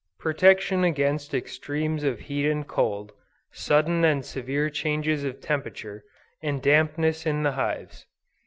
PROTECTION AGAINST EXTREMES OF HEAT AND COLD, SUDDEN AND SEVERE CHANGES OF TEMPERATURE, AND DAMPNESS IN THE HIVES.